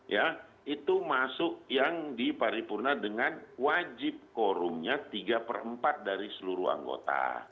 ya itu masuk yang di paripurna dengan wajib korumnya tiga per empat dari seluruh anggota